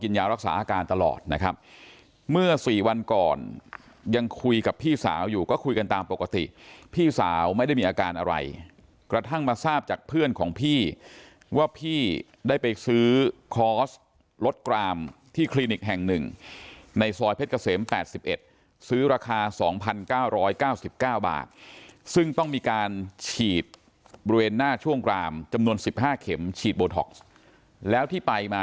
ยารักษาอาการตลอดนะครับเมื่อสี่วันก่อนยังคุยกับพี่สาวอยู่ก็คุยกันตามปกติพี่สาวไม่ได้มีอาการอะไรกระทั่งมาทราบจากเพื่อนของพี่ว่าพี่ได้ไปซื้อคอร์สลดกรามที่คลินิกแห่งหนึ่งในซอยเพชรเกษม๘๑ซื้อราคา๒๙๙๙บาทซึ่งต้องมีการฉีดบริเวณหน้าช่วงกรามจำนวน๑๕เข็มฉีดโบท็อกซ์แล้วที่ไปมา